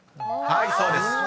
［はいそうです。